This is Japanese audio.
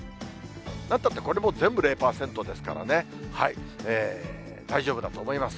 なんたって、これも全部０％ですからね、大丈夫だと思います。